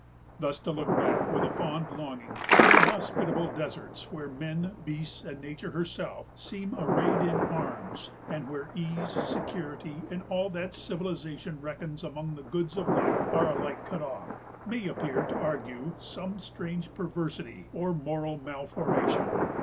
Thus to look back with a fond longing to inhospitable deserts, where men, beasts, and Nature herself, seem arrayed in arms, and where ease, security, and all that civilization reckons among the goods of life, are alike cut off, may appear to argue some strange perversity or moral malformation.